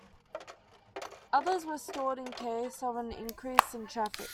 Others were stored in case of an increase in traffic.